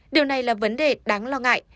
điều này là vấn đề đáng lo ngại